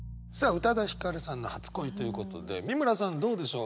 宇多田ヒカルさんの「初恋」ということで美村さんどうでしょう？